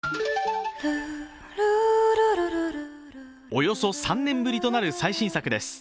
およそ３年ぶりとなる最新作です